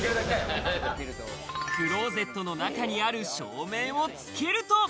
クローゼットの中にある照明をつけると。